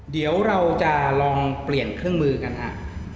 เดี๋ยวเราจะลองเปลี่ยนเครื่องมือกันฮะ